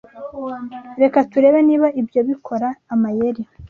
Reka turebe niba ibyo bikora amayeri.